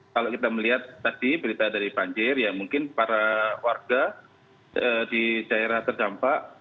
kalau kita melihat tadi berita dari banjir ya mungkin para warga di daerah terdampak